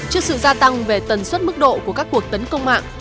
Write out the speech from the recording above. trước sự gia tăng về tần suất mức độ của các cuộc tấn công mạng